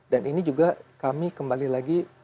dan ini juga kami kembali lagi